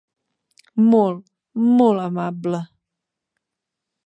Molt, molt amable.